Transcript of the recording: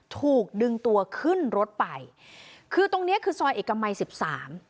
ถูกดึงตัวขึ้นรถไปคือตรงเนี้ยคือซอยเอกมัยสิบสาม